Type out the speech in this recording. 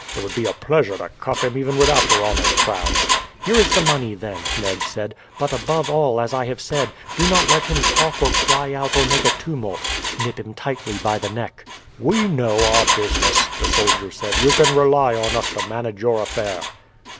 It would be a pleasure to cuff him even without your honor's crowns." "Here is the money, then," Ned said; "but, above all, as I have said, do not let him talk or cry out or make a tumult. Nip him tightly by the neck." "We know our business," the soldier said. "You can rely on us to manage your affair."